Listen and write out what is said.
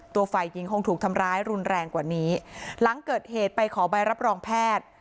ฝ่ายหญิงคงถูกทำร้ายรุนแรงกว่านี้หลังเกิดเหตุไปขอใบรับรองแพทย์